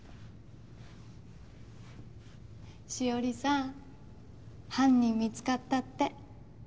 紫織さん犯人見つかったって。